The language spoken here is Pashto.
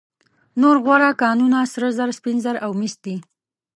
نور غوره کانونه سره زر، سپین زر او مس دي.